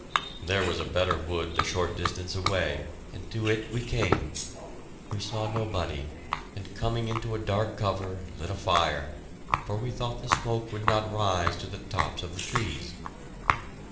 There was a better wood a short distance away, and to it we came. We saw nobody, and, coming into a dark cover, lit a fire, for we thought the smoke would not rise to the tops of the trees.